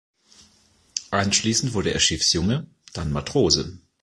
Anschließend wurde er Schiffsjunge, dann Matrose.